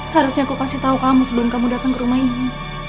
harusnya aku kasih tahu kamu sebelum kamu datang ke rumah ini